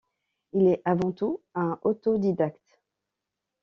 Il est avant tout un autodidacte.